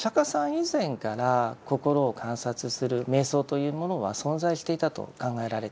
以前から心を観察する瞑想というものは存在していたと考えられています。